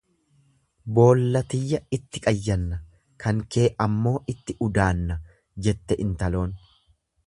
Boolla tiyya itti qayyanna, kan kee ammoo itti udaanna, jette intaloon.